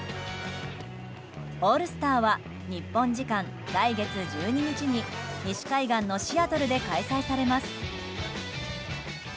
オールスターは日本時間来月１２日に西海岸のシアトルで開催されます。